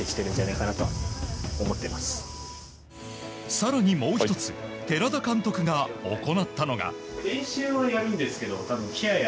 更にもう１つ寺田監督が行ったのが。